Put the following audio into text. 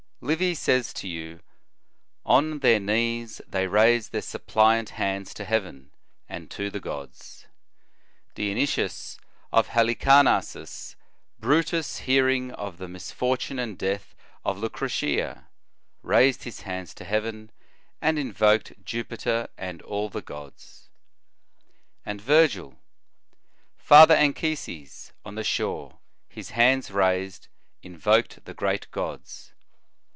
Livy says to you: "On their knees, they raised their suppliant hands to heaven, and to the gods."f Dionysius of Halicarnassus: "Brutus, hear *Satur., lib. iii. c. 2. fLib. xxxvi. In the Nineteenth Century. 1 1 5 of the misfortune and death of Lucretia, raised his hands to heaven, and invoked Jupiter and all the gods."* And Virgil: "Father Anchises on the shore, o his hands raised, invoked the great gods."